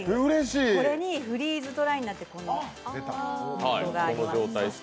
これにフリーズドライになっている、もとがあります。